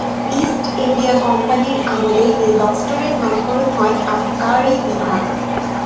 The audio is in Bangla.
ইস্ট ইন্ডিয়া কোম্পানির আমলে এ দফতরের নামকরণ হয় আবকারি বিভাগ।